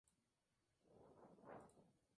Óscar Julio Vian sdb.